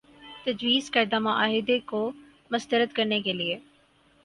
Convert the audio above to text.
تجویزکردہ معاہدے کو مسترد کرنے کے لیے